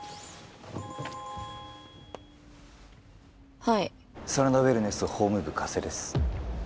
はい真田ウェルネス法務部加瀬です